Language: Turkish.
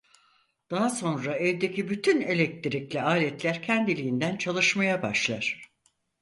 Daha sonra evdeki bütün elektrikli aletler kendiliğinden çalışmaya başlar.